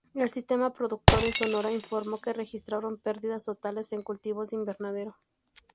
El Sistema Productor en Sonora informó que registraron perdidas totales en cultivos de invernadero.